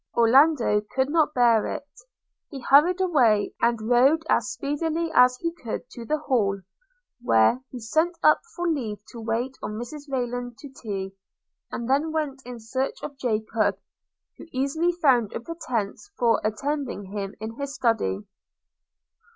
Orlando could not bear it: he hurried away, and rode as speedily as he could to the Hall; where he sent up for leave to wait on Mrs Rayland to tea, and then went in search of Jacob, who easily found a pretence for attending him in his Study.